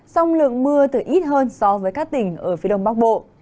song lượng mưa từ ít hơn so với các tỉnh ở phía đông bắc bộ